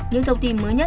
những thông tin mới nhé